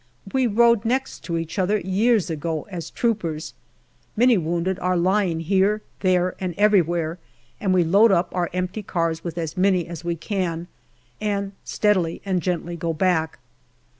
We rode next to each other, years ago, as troopers. Many wounded are lying here, there, and everywhere, and we load up our empty cars with as many as we can, and steadily and gently go back.